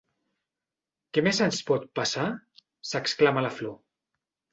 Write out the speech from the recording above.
Què més ens pot passar? —s'exclama la Flor.